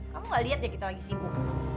kamu gak liat ya kita lagi sibuk